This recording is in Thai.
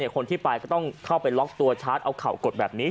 คนที่ไปก็ต้องเข้าไปล็อกตัวชาร์จเอาเข่ากดแบบนี้